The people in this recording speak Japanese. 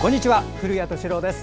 古谷敏郎です。